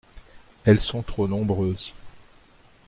Elles sont trop nombreuses.